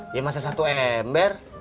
iya masa satu ember